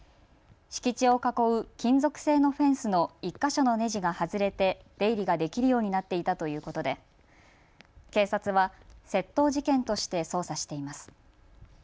敷地を囲う金属製のフェンスの１か所のねじが外れて出入りができるようになっていたということで警察は窃盗事件として捜査しています。